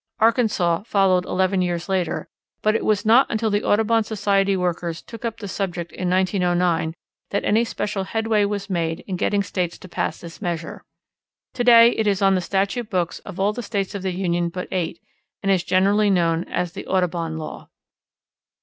Arkansas followed eleven years later, but it was not until the Audubon Society workers took up the subject in 1909 that any special headway was made in getting States to pass this measure. To day it is on the statute books of all the States of the Union but eight, and is generally known as the Audubon Law.